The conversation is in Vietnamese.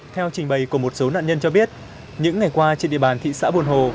theo trình bày của một số nạn nhân cho biết những ngày qua trên địa bàn thị xã buồn hồ